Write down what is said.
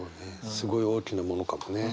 すごい大きなものかもね。